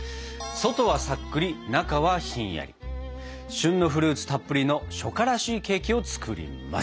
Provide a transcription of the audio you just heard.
旬のフルーツたっぷりの初夏らしいケーキを作ります！